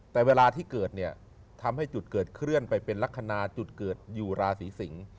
แต่เวลาที่เกิดเนี่ยทำให้จุดเกิดเคลื่อนไปเป็นลักษณะจุดเกิดอยู่ราศีสิงศ์